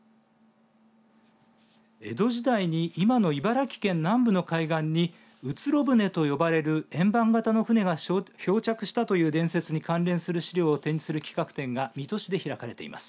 江戸時代に今の茨城県南部の海岸にうつろ舟と呼ばれる円盤型の舟が漂着したという伝説に関連する資料を展示する企画展が水戸市で開かれています。